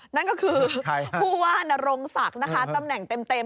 นั่นก็คือผู้ว่านรงศักดิ์นะคะตำแหน่งเต็ม